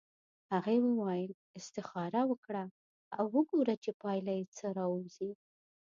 هغې وویل استخاره وکړه او وګوره چې پایله یې څه راوځي.